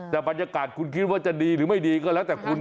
แต่บรรยากาศคุณคิดว่าจะดีหรือไม่ดีก็แล้วแต่คุณ